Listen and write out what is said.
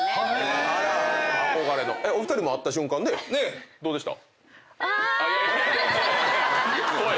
お二人も会った瞬間ねどうでした？